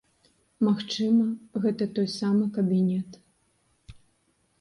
Магчыма, гэта той самы кабінет.